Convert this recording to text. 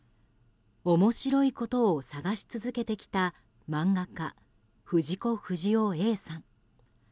面白いことを探し続けてきた漫画家・藤子不二雄Ａさん。